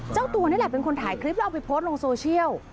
เจ้าตัวนี่แหละเป็นคนถ่ายคลิปแล้วเอาไปโพสต์ลงโซเชียล